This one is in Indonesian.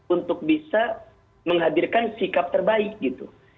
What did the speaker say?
untuk bisa menghadirkan sikap terbaik gitu